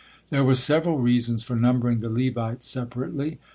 There was several reasons for numbering the Levites separately.